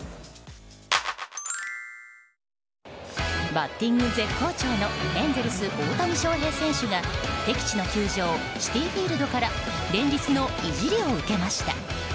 バッティング絶好調のエンゼルス、大谷翔平選手が敵地の球場シティフィールドから連日のいじりを受けました。